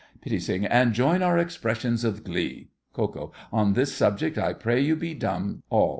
PITTI. And join our expressions of glee! KO. On this subject I pray you be dumb— ALL.